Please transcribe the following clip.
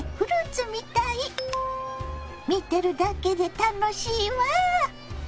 見てるだけで楽しいわ。